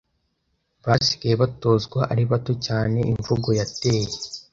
Basigaye batozwa ari bato cyane imvugo yateye